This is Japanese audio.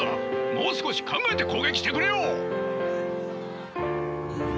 もう少し考えて攻撃してくれよ！